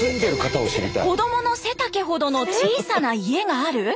子どもの背丈ほどの小さな家がある？